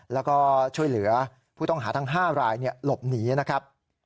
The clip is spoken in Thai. แล้วก็ช่วยเหลือผู้ต้องหาทั้ง๕รายหลบหนีนะครับ